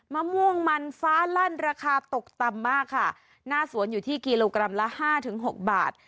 มะม่วงมันฟ้าลั่นราคาตกต่ำมากค่ะหน้าสวนอยู่ที่กิโลกรัมละห้าถึงหกบาท